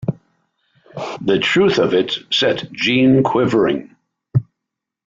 The truth of it set Jeanne quivering.